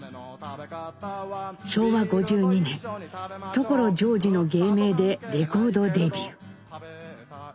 昭和５２年所ジョージの芸名でレコードデビュー。